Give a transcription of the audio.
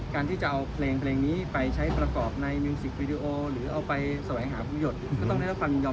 การที่จะเอาเพลงเพลงนี้ไปใช้ประกอบในหรือเอาไปสวัสดิ์หาภูมิหยดก็ต้องได้ได้ความลินยอม